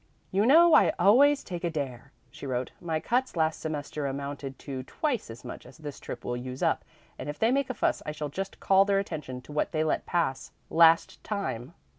"You know I always take a dare," she wrote. "My cuts last semester amounted to twice as much as this trip will use up, and if they make a fuss I shall just call their attention to what they let pass last time.